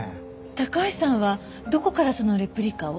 高橋さんはどこからそのレプリカを？